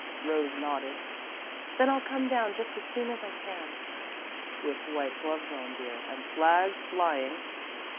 Rose nodded. "Then I'll come down just as soon as I can." "With white gloves on, dear, and flags flying.